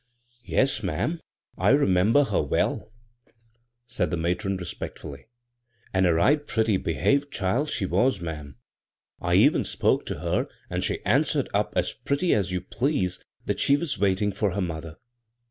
" Yes, ma'am, I remember her well," said the matron, respectfully, " and a right pretty 58 b, Google CROSS CURRENTS bdiaved child she was, ma'am. I even spoke to her and she answered up as pretty as you please that she was waiting for her mother."